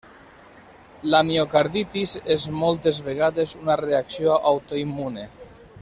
La miocarditis és moltes vegades una reacció autoimmune.